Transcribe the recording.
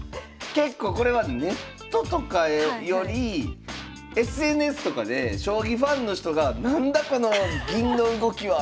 結構これはネットとかよりＳＮＳとかで将棋ファンの人が何だこの銀の動きは！